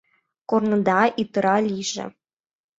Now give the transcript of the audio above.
Корныда йытыра лийже!